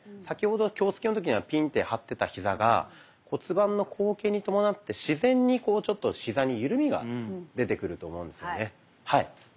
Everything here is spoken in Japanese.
先ほど気をつけの時にはピンって張ってたヒザが骨盤の後傾に伴って自然にこうちょっとヒザに緩みが出てくると思うんですよね。